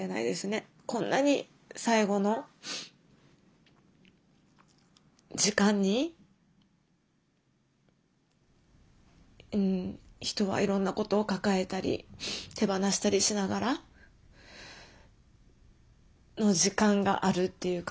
こんなに最期の時間にうん人はいろんなことを抱えたり手放したりしながらの時間があるっていうか。